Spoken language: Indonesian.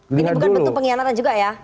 ini bukan bentuk pengkhianatan juga ya